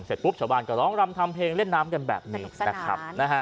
เสร็จปุ๊บชาวบ้านก็ร้องรำทำเพลงเล่นน้ำกันแบบนี้นะครับ